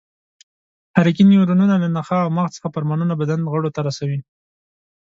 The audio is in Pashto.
حرکي نیورونونه له نخاع او مغز څخه فرمانونه بدن غړو ته رسوي.